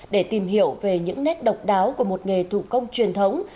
để tìm hiểu về những nét độc đáo của một nghề thủ công truyền thống